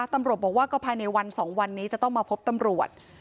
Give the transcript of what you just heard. ตำรวจบอกว่าก็ภายในวัน๒วันนี้จะต้องมาพบตำรวจ